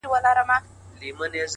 نیمه تنه یې سوځېدلې ده لا شنه پاته ده!